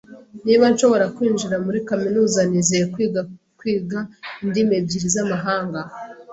Niba nshobora kwinjira muri kaminuza, nizeye kwiga kwiga indimi ebyiri z'amahanga.